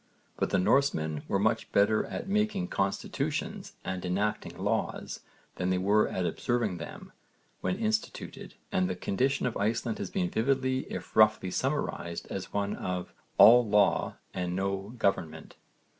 But the Norsemen were much better at making constitutions and enacting laws than they were at observing them when instituted, and the condition of Iceland has been vividly if roughly summarised as one of 'all law and no government.'